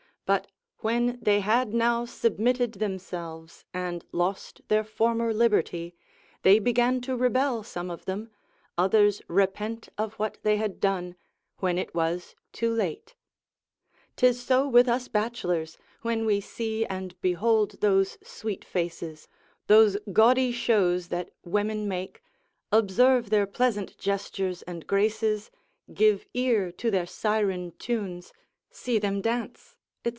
but when they had now submitted themselves, and lost their former liberty, they began to rebel some of them, others repent of what they had done, when it was too late. 'Tis so with us bachelors, when we see and behold those sweet faces, those gaudy shows that women make, observe their pleasant gestures and graces, give ear to their siren tunes, see them dance, &c.